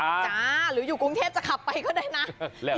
จ้าหรืออยู่กรุงเทพจะขับไปก็ได้นะ